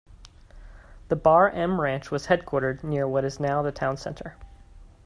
The Bar M Ranch was headquartered near what is now the town center.